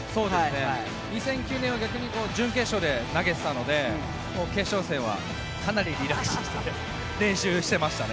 ２００９年は逆に準決勝で投げてたので決勝戦はかなりリラックスして練習してましたね。